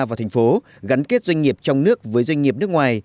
và thành phố gắn kết doanh nghiệp trong nước với doanh nghiệp nước ngoài